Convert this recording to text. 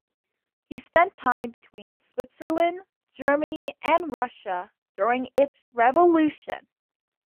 He spent time between Switzerland, Germany, and Russia, during its revolution.